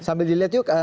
sambil dilihat yuk